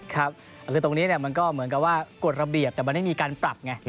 ครับคือตรงนี้มันก็เหมือนกับว่ากฎระเบียบแต่มันไม่มีการปรับไง